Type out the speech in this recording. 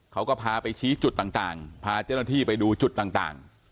เขาก็พาไปชี้จุดต่างพาเจ้าหน้าที่ไปดูจุดต่าง